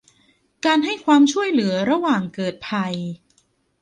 การให้ความช่วยเหลือระหว่างเกิดภัย